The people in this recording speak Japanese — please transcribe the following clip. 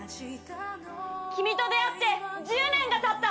君と出会って１０年がたった。